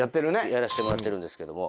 やらせてもらってるんですけども。